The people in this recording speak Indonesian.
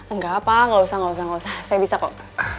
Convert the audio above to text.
enggak pak gak usah gak usah gak usah saya bisa kok